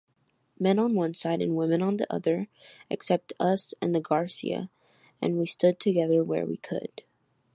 Men on one side and women on the other, except us and the Garcia, and we stood together where we could.